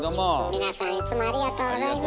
皆さんいつもありがとうございます。